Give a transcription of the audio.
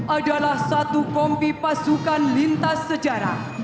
adalah satu kompi pasukan lintas sejarah